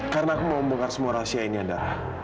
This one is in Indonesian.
karena aku mau membongkar semua rahasia ini andara